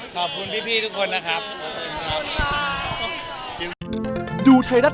ขอบคุณพี่ทุกคนนะครับ